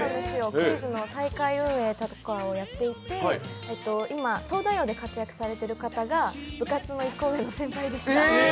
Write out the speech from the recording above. クイズの大会運営だとかをやっていて、今、「東大王」で活躍されている方が部活の１個上の先輩でした。